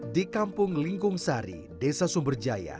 di kampung lingkung sari desa sumberjaya